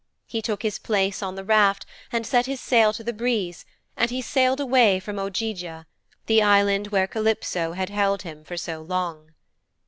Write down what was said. He took his place on the raft and set his sail to the breeze and he sailed away from Ogygia, the island where Calypso had held him for so long.